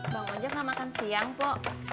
bang wajah gak makan siang po